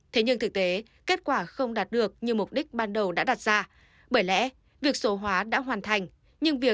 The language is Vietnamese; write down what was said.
thế nhưng thực tế kết quả không đạt được như mục đích ban đầu đã đặt ra bởi lẽ việc số hóa đã hoàn thành việc